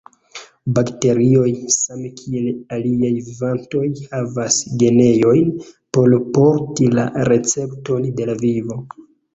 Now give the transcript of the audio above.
Bakterioj, same kiel aliaj vivantoj, havas genojn por porti la recepton de la vivo.